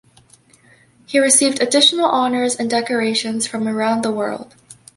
He received additional honors and decorations from around the world.